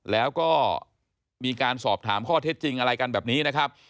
แล้วก็มีการสอบถามข้อเท็จจริงอะไรกันแบบนี้นะครับ